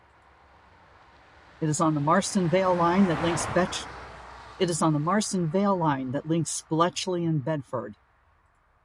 It is on the Marston Vale Line that links Bletchley and Bedford.